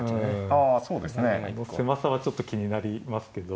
あそうですね。狭さはちょっと気になりますけど。